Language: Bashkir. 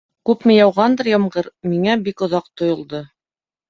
Күпме яуғандыр ямғыр, миңә бик оҙаҡ тойолдо.